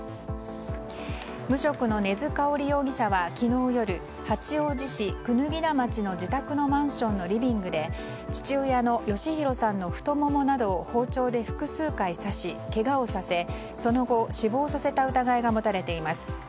無職の根津かおり容疑者は昨日夜八王子市椚田町の自宅のマンションのリビングで父親の嘉弘さんの太ももなどを包丁で複数回刺し、けがをさせその後、死亡させた疑いが持たれています。